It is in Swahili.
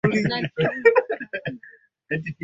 hao wengine wote wanaoshuhudia kwamba wamepona